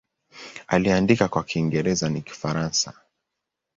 Aliandika kwa Kiingereza na Kifaransa.